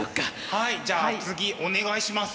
はいじゃあ次お願いします。